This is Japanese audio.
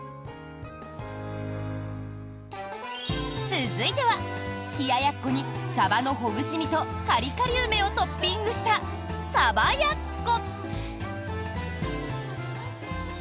続いては、冷ややっこにサバのほぐし身とカリカリ梅をトッピングしたさばやっこ。